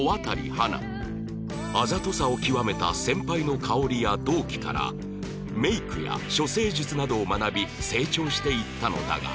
あざとさを極めた先輩の香織や同期からメイクや処世術などを学び成長していったのだが